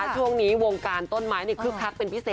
ช่วงนี้วงการต้นไม้เนี่ยคลุกคาดเป็นพิเศษนะคะ